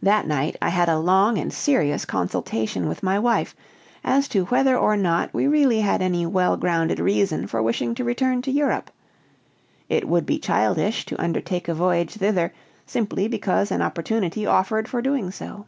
That night I had a long and serious consultation with my wife, as to whether or not we really had any well grounded reason for wishing to return to Europe. It would be childish to undertake a voyage thither simply because an opportunity offered for doing so.